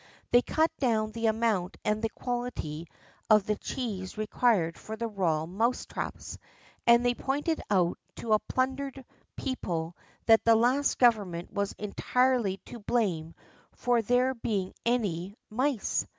They cut down the amount and the quality of the cheese required for the royal mousetraps, and they pointed out to a plundered people that the last Government were entirely to blame for there being any mice.